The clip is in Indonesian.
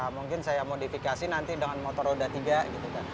mungkin saya modifikasi nanti dengan motor roda tiga gitu kan